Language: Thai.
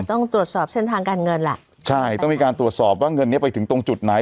ต้องตรวจสอบเส้นทางการเงินล่ะใช่ต้องมีการตรวจสอบว่าเงินเนี้ยไปถึงตรงจุดไหน